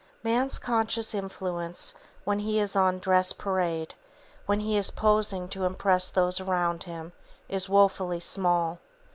Man's conscious influence, when he is on dress parade, when he is posing to impress those around him, is woefully small.